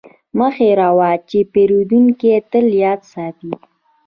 مه هېروه چې پیرودونکی تل یاد ساتي.